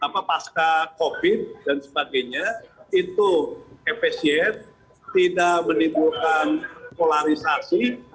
pasca covid dan sebagainya itu efisien tidak menimbulkan polarisasi